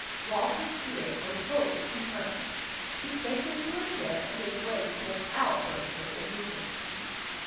Walter's fears were fully confirmed. He sank into a chair, and gave way to an outburst of indignation.